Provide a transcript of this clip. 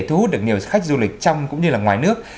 thu hút được nhiều khách du lịch trong cũng như là ngoài nước